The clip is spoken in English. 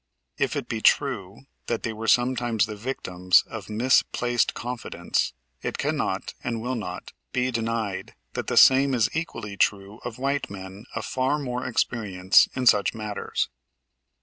If it be true that they were sometimes the victims of misplaced confidence, it cannot, and will not, be denied that the same is equally true of white men of far more experience in such matters.